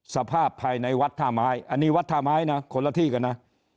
สภาพภายในวัดท่าไม้อันนี้วัดท่าไม้นะคนละที่กันนะ